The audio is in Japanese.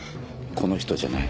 この人じゃない？